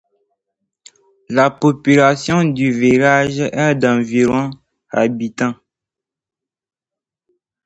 La population du village est d'environ habitants.